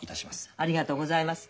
ありがとうございます。